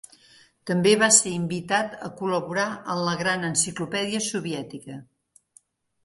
També va ser invitat a col·laborar en la Gran Enciclopèdia Soviètica.